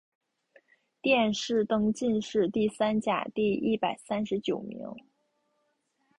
殿试登进士第三甲第一百三十九名。